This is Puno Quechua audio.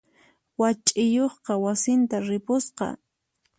Wach'iyuqqa wasinta ripusqa.